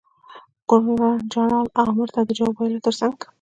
ګورنر جنرال امر ته د جواب ویلو تر څنګ.